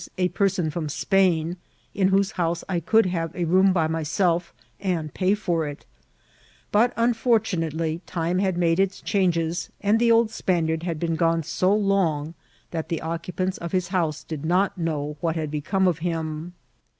a person from Spain, in whose house I coyld have a room to myself, and pay for it ; but, unfortunately, time had made its changes, and the old Spaniard had been gone so long that the occupants of his house did not know what had become of him.